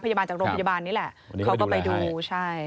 พยาบาลจากโรคพยาบาลนี้แหละเขาก็ไปดู